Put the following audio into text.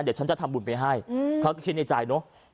เดี๋ยวฉันจะทำบุญไปให้เขาก็คิดในใจเนอะ